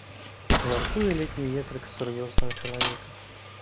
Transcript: Жартуе летні ветрык з сур'ёзнага чалавека.